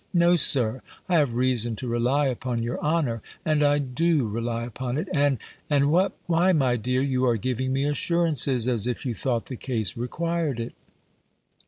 No, Sir, I have reason to rely upon your honour; and I do rely upon it; and " "And what? Why, my dear, you are giving me assurances, as if you thought the case required it!"